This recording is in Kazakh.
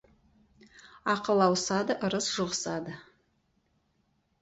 Ақыл ауысады, ырыс жұғысады.